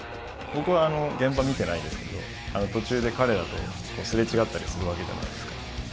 僕は現場見てないんですけど途中で彼らとすれ違ったりするわけじゃないですか。